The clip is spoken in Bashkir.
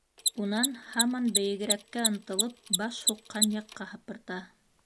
Унан, һаман бейегерәккә ынтылып, баш һуҡҡан яҡҡа һыпырта.